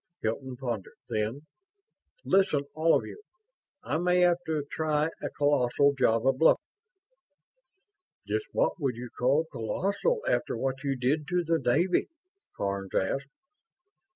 Hilton pondered. Then, "Listen, all of you. I may have to try a colossal job of bluffing...." "Just what would you call 'colossal' after what you did to the Navy?" Karns asked.